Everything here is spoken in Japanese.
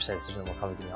歌舞伎では。